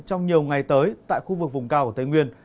trong nhiều ngày tới tại khu vực vùng cao ở tây nguyên